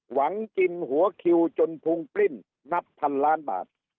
หวังกินหัวคิวจนพุงปลิ้นนับพันล้านบาท